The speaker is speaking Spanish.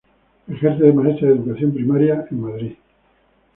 Ejerce de maestra de Educación Primaria en Madrid.